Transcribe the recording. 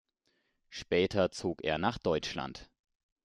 Später zog er nach Deutschland.